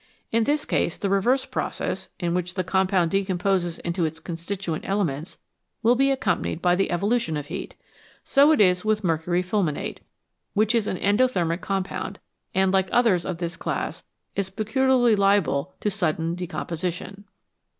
In this case the reverse process, in which the compound decomposes into its constituent elements, will be accompanied by the evolution of heat. So it is with mercury fulminate, which is an endothermic compound, and, like others of this class, is peculiarly liable to sudden decomposition.